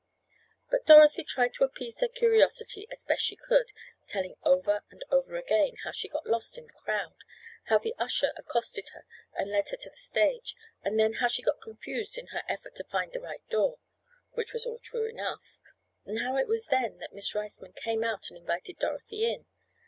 But Dorothy tried to appease their curiosity as best she could, telling over and over again how she got lost in the crowd, how the usher accosted her, and led her to the stage, and then how she got confused in her effort to find the "right door" (which was all true enough) and how it was then that Miss Riceman came out and invited Dorothy in.